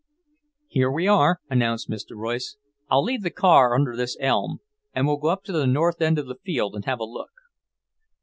"Here we are," announced Mr. Royce. "I'll leave the car under this elm, and we'll go up to the north end of the field and have a look."